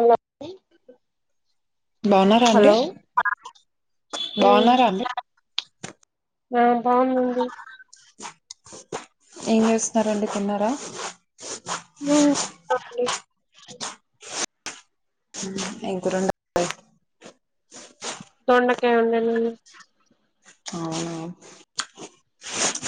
అలా బాగున్నారా అండి హలో ఉమ్ బాగున్నారా అండి ఆ బాగుందంది ఏం చేస్తున్నారంండి తిన్నారా ఉమ్ అయకరండ తొండకాయ ఉండడి అవునా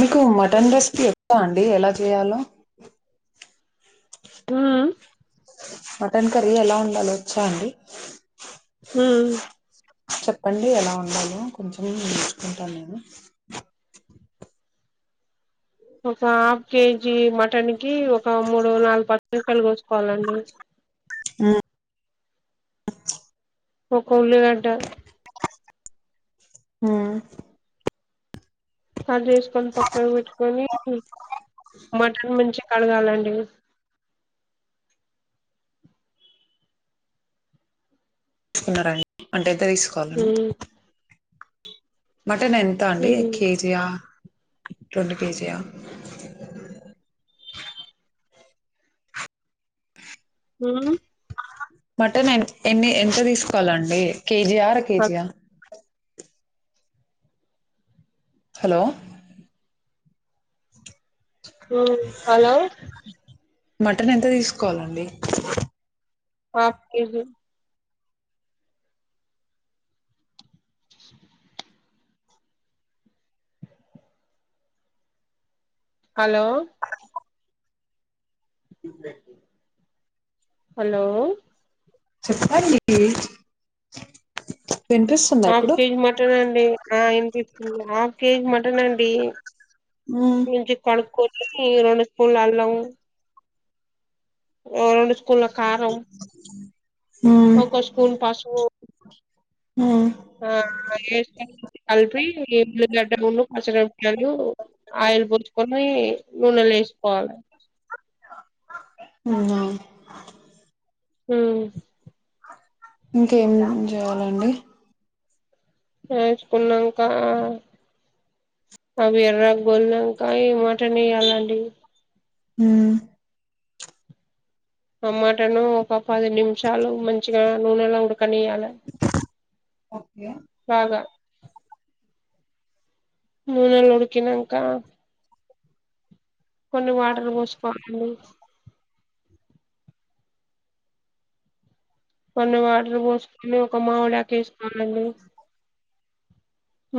మీకు మటన్ రెసిపీ అండి ఎలా చేయాలో హ మటన్ కర్రీ ఎలా ఉండాలో వచ్చా అండి హ చెప్పండి ఎలా ఉండాలో కొంచెం నేర్చుకుంటాను నేను ఒక ఆ కేజీ మటన్ ఒక మూడు నాలుగు పర్సంషలుగసుు కోవాలండి ఆ ఒకకలిగా ఉంట ఆ కట్ చేేసుకొని పక్కన పెట్టుకొని మటన్ మంచి గా కడగాలండి తీసుకున్నారంన్ అంటే త తీసుకోవాలనీ ఉమ్ మటన్ ఎంత అండి ఉమ్ కేజీయా రెండు కేజీ యా మ్ మటన్ ఎ ఎన్ని ఎంత తీసుకోవాలండి కేజి ఆ అరకేజియా హలో మ్ హలో మటన్ ఎంత తీసుకోవాలండి హఫ్ కేజీ హలో ఇప్పుడే హలో చెప్పాలి హాఫ్ కేజీ మటన్ అండి ఆ విన్పిస్త్ హాఫ్ కేజీ మటన్ అండి మ్మ్ మంచిది కొనుక్కుని రెండు స్పూన్లా అల్లం ఓ రెండు స్పూన్ల కారం మ్మ్ ఒక స్పూన్ పసుపు హ్మ్ ఆ పేస్ట్ లాగ కల్పి గడ్డలును పచ్మీర్పాకాయలు ఆయిల్ పోసుకొని నూనెలో వేసుకోవాలి. అవునా హ్మ్ ఇంకేం చేయాలండి ఎంచుకున్నాక అవి ఎర్రాగ్ గోల్నాక ఈ మటన్ ఏయాలండి హ్మ్ టమోటాలు ఒక పది నిమిషాలు మంచిగా నూనెలో ఉడక్ కలీయాల ఓకే బాగా నూనెలోనే తినంక కొన్ని వాటర్ పోసుకోండి కొన్ని వాటర్ పోసుకొని ఒక మామిడాకు వేసుకోవాలండి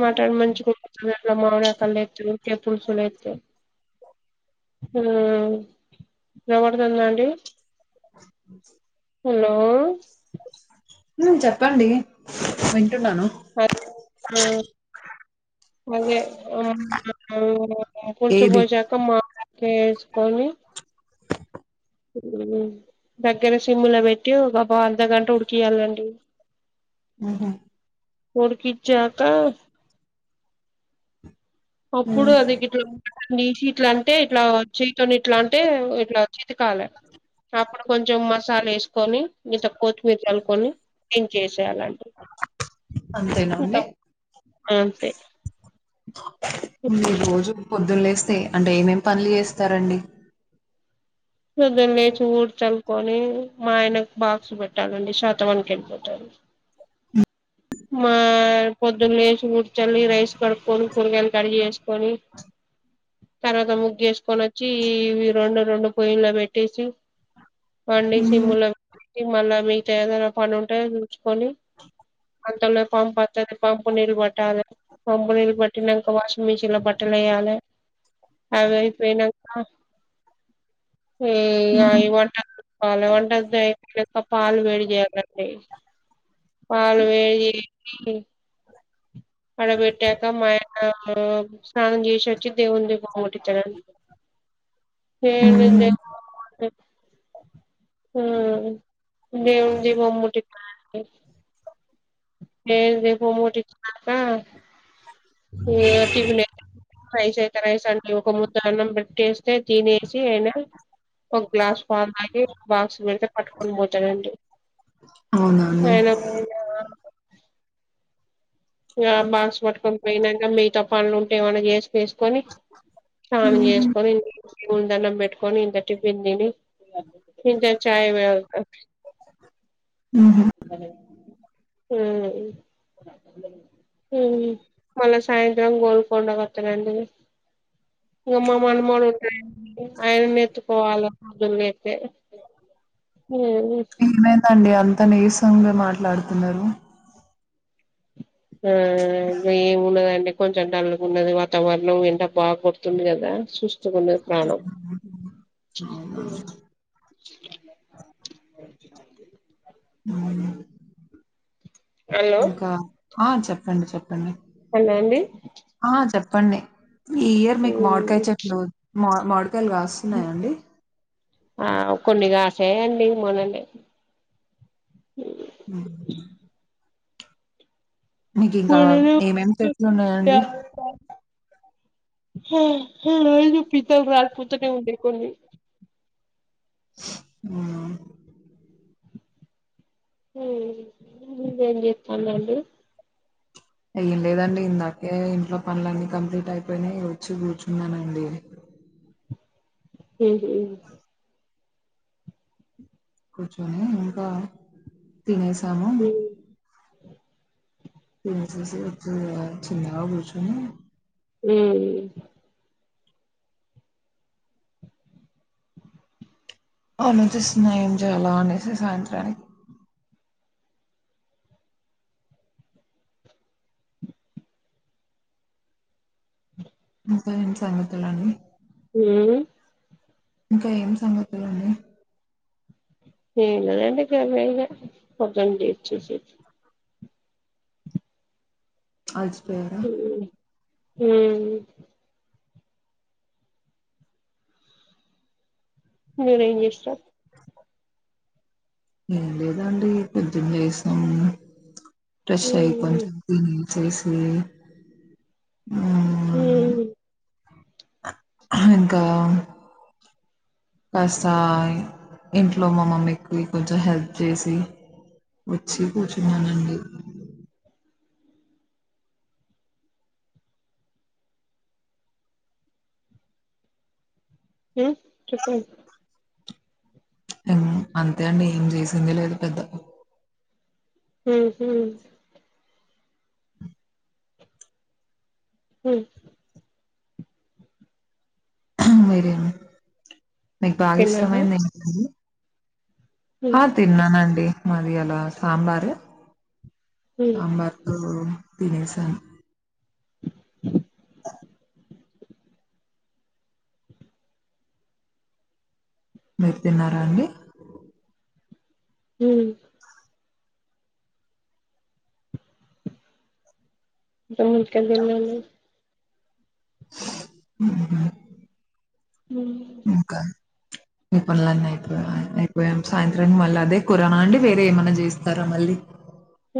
మటన్ మంచిగా ఉడుకుతది అట్లా మామిడకలేత్తే ఉకే పులుసులేత్తే. హా వినబడుతుందా అండి హలో మ్మ్ చెప్పండి చెప్పన్ టున్నాను హు అదే [inaudible] మో ఏది కూర్చుపోసాక మౌనా కేస్ కోని హు దగ్గర సిమ్ములా పెట్టి ఒక పా అర్ధగంట ఉడికియాలండి ఆహా కోడుకి చాక అప్పుడు హ్మ్ అది గిట్ల నునకల్ తీషి ఎట్లా అంటే ఇట్లా చేతోనీ ఇట్లా అంటే ఇట్లా చితికాలే, అప్పుడు కొంచెం మసాలా వేసుకొని గింత కొత్తిమీర్ చల్లుకొని దించేసేయాలండి. అంతేనా అండి ఆ స మీర్ రోజు పొద్దున్న లేస్తే అంటే ఏమేం పనులు చేస్తారండి పొద్దన లేచి ఊడ్ చల్లు కోనీ మా ఆయనకు బాక్స్ పెట్టాలండి ష మ కంపోతురు మా పదలీ ఉడు చాల రైస్ కడుకొని కూరగాయలు కడిగి చేసుకొని తర్వాత ముగ్గు చేసుకొని వచ్చి ఈ రెండు రెండు పొయ్యిల బెతీసి పడిసి సింగులో మల్ళ మీ తెదార పం ఉంటా కొనీ అంతలో పంపు వస్తుంది పంపు నీళ్ళు పట్టాలి పంపు ననీళ్లు పట్టినాంక వాషింగ్ మిషిన్ లో బట్టలు వేయ్యాలే. అపోయినా హ ఇ వంట కాల వంటరిది అయిపోక పాలు వేడి చేయాలండి వే వాడబెట్టక మాయా హ స్నానం చేసి వచ్చి దేవు దీప అమ్ముటితారు ఏ మ్మ్ దేవు దేవ అమ్ముటి [unintelligible] ఏ [unintelligible] ఆ ఏ [unintelligible] రైస్ అయితే రైస్ అండి ఒక ముద్ద అన్నం బెట్టేస్తే తినేసి ఆయన ఒక గ్లాస్ పాలు తాగి బాక్స్ పెడితే పట్టుకొని పోతారండి. అవునండి బాక్స్ పట్టుకొని పోయినంక మిగతా పనులు ఉంటే ఏమన్నా చేసి చేసుకొని స్నానం చేసుకొని దన్నం పెట్టుకొని ఇంత టిఫిన్ తిని ఇంత చాయ్ తాగి హ్మ్మ్ హలో హ్మ్మ్ హ్మ్మ్ మల్లా సాయంత్రాం గోల్ కొండ అండి ఏమో మళ్ళీ [unintelligible] ఆయననే ఎత్తుకోవాల పొద్దున లెత్తే ఏమైందండి అన్ తను ఏ స్లాంగ్లో మాట్లాడుతున్నారు ఆ ఇ ఏమున్నదండి కొంచెం డల్ గా ఉన్నది వాతావరణం ఎండ బాగా కొడుతుంది కదా చూ [unintelligible] ప్రాణం అవునా? హ్మ్మ్ హలో ఇంకా ఆ చెప్పండి చెప్పండి హలో అండి హా చెప్ తన్నే ఈ ఇయర్ మీకు ఉమ్ మామిడికాయ చెట్లు మా మాడ్ కాయలు కాస్తున్నాయా అండి ఆ కొన్నిగాసాయండి మొన్ననే హ్మ్మ్ మీకు ఇంకా మొన్ననే ఏమేం చెట్లు ఉన్నాయండి లేదు పిందలూ రాలిపోతూనే ఉన్నాయి కొన్ని హ్మ్మ్ హ్మ్మ్ [unintelligible] జెప్పండండి ఏం లేదండి ఇందాకే ఇంట్లో పనులన్నీ కంప్లీట్ అయిపోయినయి వచ్చి కూర్చున్నానండి. హ్మ్మ్ కూర్చొని ఇంకా టిఫిన్ చేసాము మెసేజ్ వచ్చింది కదా చిన్న ఆపరేషన్ హ్మ్ ఉ అవును జస్ట్ [unintelligible] సాయంత్రానికి ఇంకేటి సంగతులని హ్మ్ ఇంకా ఏమిటి సంగతులని ఏమ్ లేదు అంటే గవ్వే కొంచం [unintelligible] అర్జున్ హ్మ్ హ్మ్ ఉ మీరేం చేసినవ్ ఏం లేదండి పొద్దున్న లేసినాం. ఫ్రెష్ ఉ అయి కొంచం సరే సరే హ్మ్ ఇంకా కాస్త ఇంట్లో మా మమ్మీకి కొంచెం హెల్ప్ చేసి వచ్చి కూర్చున్నానండి. హ్మ్ చెప్పం అంతే అండి ఏం చేసింది. లేదు పెద్ద హ్మ్ ఉ హ్మ్ వేరే ఏమైనా మీకా తిన్నారా ఇష్టమైంది ఏం ఆ తిన్నానండి మాదివాళ్ల సాంబారు సాంబార్ తుడువ్ తినేసా మీరు తిన్నారా అండి హ్మ్ రాండి ఎక్కడికి ఎళ్ళాలి. అ హ్మ్ ఈ పనులన్నీ అయిపోయా అయిపోయాం సాయంత్రాము మళ్ళీ అదే కూరనా అండి వేరే ఏమన్నా చేస్తారా మళ్ళీ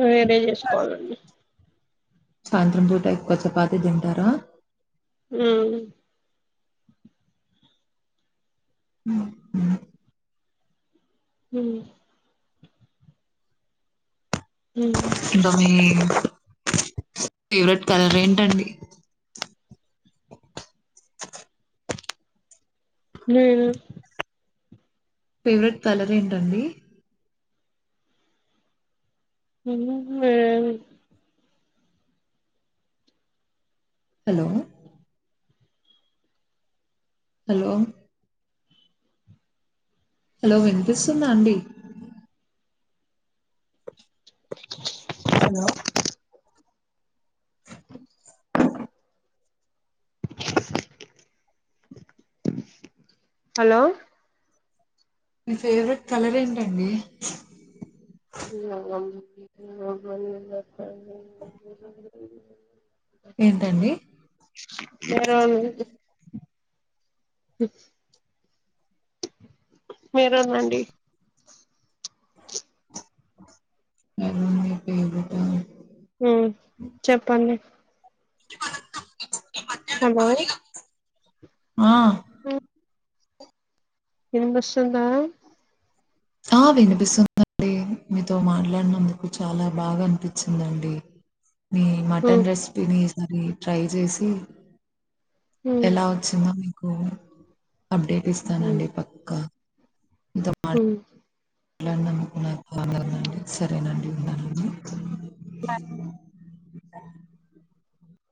వేరే చేసుకోవాలండి. సాయంత్రం పూట ఎక్కువ చపాతి తింటారా హ్మ్ హు హు హ్మ్ ఉ బమ్మి ఫేవరెట్ కలర్ ఏంటండి బ్లు ఫేవరెట్ కలర్ ఏంటండి ఎన్ని రోజులు లేదు హలో హలో హలో వినిపిస్తుంద అండి హలో హలో మీ ఫేవరెట్ కలర్ ఏంటండి [unintelligible] బాగానే ఉన్నా [inaudible] ఏంటండి మ్ మెరూన్ అండి మీ ఫేవరేటా హుమ్ చెప్పండి హలో ఆ హుమ్ ఇపిస్తోంద. ఆ వినిపిస్తుందండి మీతో మాట్లాడినందుకు చాలా బాగా అనిపించిందండి. మీ ఉమ్ మటన్ రెసిపిది అది ట్రై చేసి ఉమ్ ఎలా వచ్చిందొ అవును అప్డేట్ ఇస్తానండి పక్కా మీతో మా హుమ్ మాట్లాడినందుకు నాకు అనందగ ఉందండి సరేనండి ఉంటాను బ